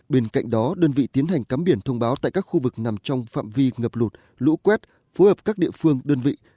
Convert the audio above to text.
bên cạnh đó đơn vị tiến hành cắm biển thông báo tại các khu vực nằm trong phạm vi ngập lụt lũ quét phối hợp các địa phương đơn vị